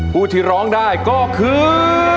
ผู้ที่ร้องได้ก็คือ